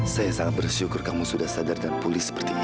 saya sangat bersyukur kamu sudah sadar dan pulih seperti ini